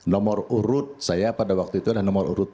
nomor urut saya pada waktu itu adalah nomor urut dua